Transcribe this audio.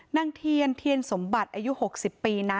นางเทียนเทียนสมบัติอายุ๖๐ปีนะ